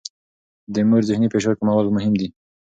د مور ذهني فشار کمول مهم دي.